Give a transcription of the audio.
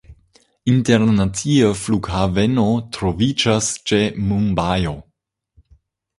Internacia flughaveno troviĝas ĉe Mumbajo.